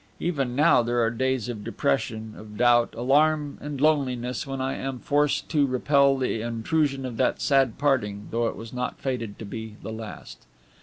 Even now there are days of depression, of doubt, alarm, and loneliness, when I am forced to repel the intrusion of that sad parting, though it was not fated to be the last.